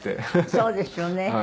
そうですよね。